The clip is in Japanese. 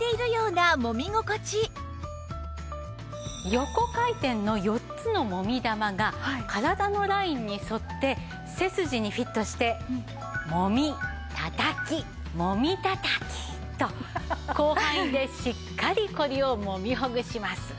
横回転の４つのもみ玉が体のラインに沿って背筋にフィットしてもみたたきもみたたきと広範囲でしっかりこりをもみほぐします。